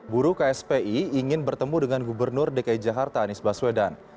buruh kspi ingin bertemu dengan gubernur dki jakarta anies baswedan